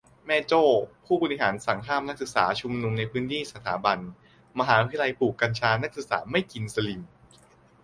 - แม่โจ้ ผู้บริหารสั่งห้ามนักศึกษาชุมนุมในพื้นที่สถาบัน มหาวิทยาลัยปลูกกัญชานักศึกษาไม่กินสลิ่ม